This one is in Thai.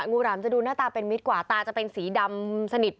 หรามจะดูหน้าตาเป็นมิตรกว่าตาจะเป็นสีดำสนิท